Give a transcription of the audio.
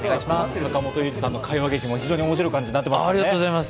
坂元裕二さんの会話劇、面白い感じになってますね。